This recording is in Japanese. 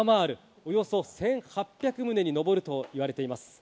およそ１８００棟に上るといわれています。